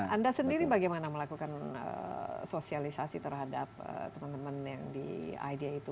anda sendiri bagaimana melakukan sosialisasi terhadap teman teman yang di idea itu